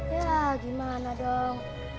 yah gimana dong